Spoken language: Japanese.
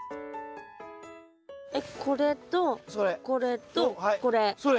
えっこれとこれとこれ。